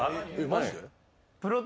マジで？